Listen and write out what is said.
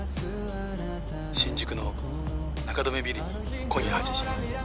新宿の中留ビルに今夜８時。